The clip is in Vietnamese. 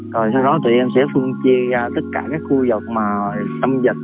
rồi sau đó tụi em sẽ phun chia ra tất cả các khu vực mà tâm dịch